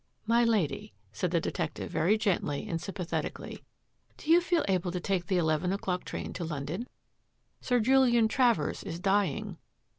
" My Lady," asked the detective very gently and sympathetically, " do you feel able to take the eleven o'clock train to London? Sir Julian Travers is dying."